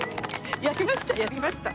やりました！